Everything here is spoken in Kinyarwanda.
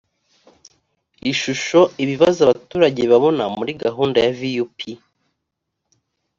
ishusho ibibazo abaturage babona muri gahunda ya vup